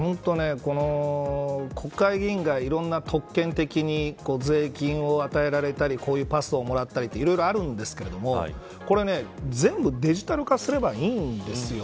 国会議員がいろんな特権的に税金を与えられたりパスをもらったりっていろいろあるんですけどこれ全部デジタル化すればいいんですよ。